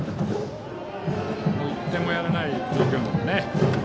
１点もやれない状況なので。